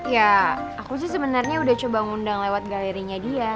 ya aku sih sebenarnya udah coba ngundang lewat galerinya dia